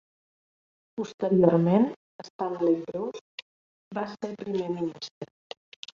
Posteriorment, Stanley Bruce va ser primer ministre.